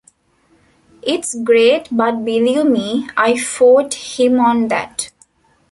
It's great but believe me I fought him on that.